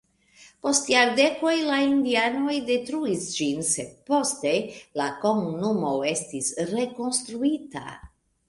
Post jardekoj la indianoj detruis ĝin, sed poste la komunumo estis rekonstruita.